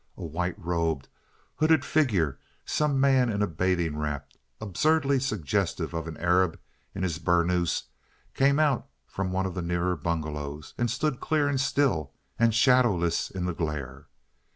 A white robed, hooded figure, some man in a bathing wrap, absurdly suggestive of an Arab in his burnous, came out from one of the nearer bungalows, and stood clear and still and shadowless in the glare.